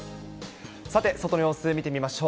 さて、外の様子、見てみましょう。